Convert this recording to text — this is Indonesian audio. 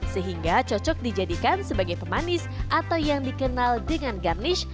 sehingga cocok dijadikan sebagai pemanis atau yang dikenal dengan garnish